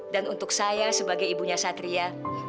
dan untuk saya sebagai ibunya satria